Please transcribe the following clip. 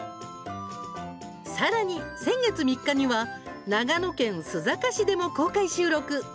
さらに先月３日には長野県須坂市でも公開収録。